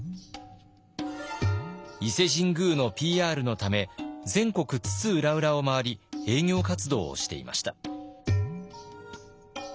伊勢神宮のＰＲのため全国津々浦々を回り営業活動をしていました。